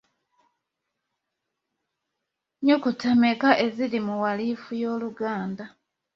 Nnyukuta mmeka eziri mu walifu y’Oluganda?